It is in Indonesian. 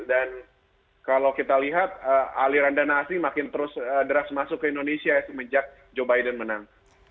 kalau kita lihat aliran dana asing makin terus deras masuk ke indonesia semenjak joe biden menang